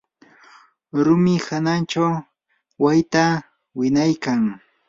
rumi hananchaw wayta winaykan.